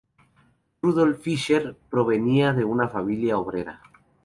Rudolf Fischer provenía de una familia obrera.